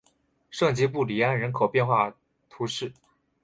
圣吉布里安人口变化图示